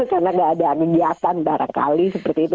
karena nggak ada anegyatan darah kali seperti itu